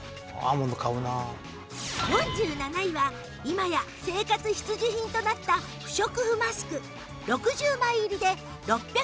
４７位は今や生活必需品となった不織布マスク６０枚入りで６５８円